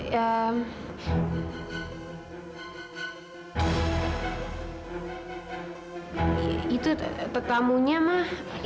ya itu tamunya mak